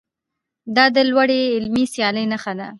دا د لوړې علمي سیالۍ نښه ده.